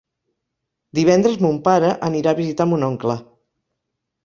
Divendres mon pare anirà a visitar mon oncle.